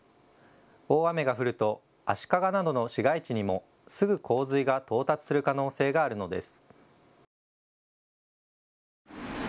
大雨が降ると足利などの市街地にも、すぐ洪水が到達する可能性があるのです。